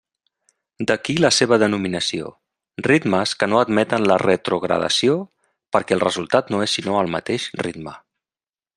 D'aquí la seva denominació: ritmes que no admeten la retrogradació, perquè el resultat no és sinó el mateix ritme.